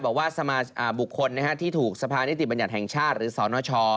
บอกว่าบุคคลที่ถูกสภานิติบัญญัติแห่งชาติหรือสนช